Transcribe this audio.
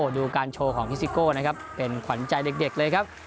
ดูการโชว์ของพี่ซิโก้นะครับเป็นขวัญใจเด็กเลยครับ